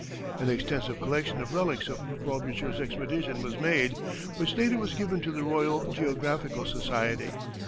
An extensive collection of relics of Frobisher's expedition was made, which later was given to the Royal Geographical Society.